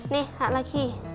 nih hak lagi